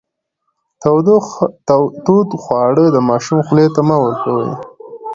تود خواړه د ماشوم خولې ته مه ورکوئ.